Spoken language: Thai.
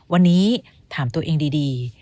วันนี้ถามตัวเองดี